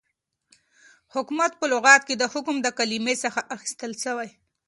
حكومت په لغت كې دحكم دكلمې څخه اخيستل سوی